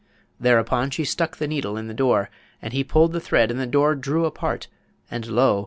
Thereupon, she stuck the needle in the door, and he pulled the thread, and the door drew apart, and lo!